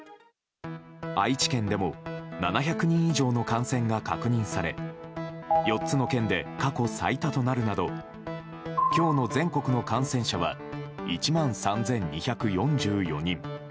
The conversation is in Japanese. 愛知県でも７００人以上の感染が確認され４つの県で過去最多となるなど今日の全国の感染者は１万３２４４人。